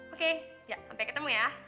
oke jangan sampai ketemu ya